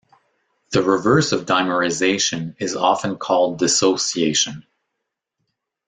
The reverse of dimerisation is often called dissociation.